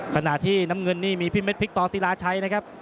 ขณะที่น้ำเงินนี่มีพี่เม็ดพริกต่อศิลาชัยนะครับ